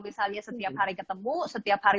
misalnya setiap hari ketemu setiap hari